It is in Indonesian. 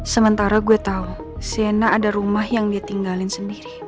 sementara gue tau si ena ada rumah yang dia tinggalin sendiri